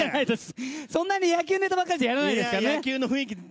そんなに野球ネタばっかりやらないですからね。